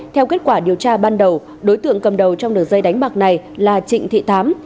theo kết quả điều tra ban đầu đối tượng cầm đầu trong đường dây đánh bạc này là trịnh thị thám